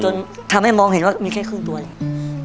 จนทำให้มองเห็นว่ามีแค่ครึ่งตัวเลย